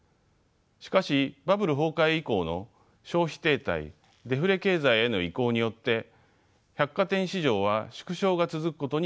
しかしバブル崩壊以降の消費停滞デフレ経済への移行によって百貨店市場は縮小が続くことになりました。